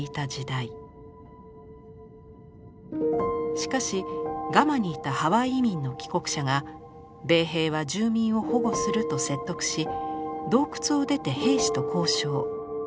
しかしガマにいたハワイ移民の帰国者が「米兵は住民を保護する」と説得し洞窟を出て兵士と交渉。